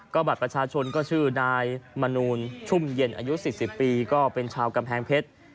บัตรประชาชนก็ชื่อนายมนูลชุ่มเย็นอายุ๔๐ปีก็เป็นชาวกำแพงเพชร